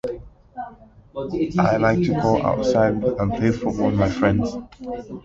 Magnetic actuators used fabricated magnetic layers to create forces.